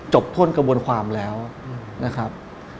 พ่นกระบวนความแล้วนะครับ